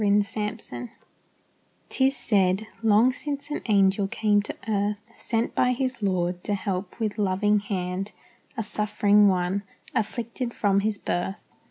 THE MOSS ROSE 'Tis said, long since an angel came to earth, Sent by his Lord, to help with loving hand A suffering one, afflicted from his birth.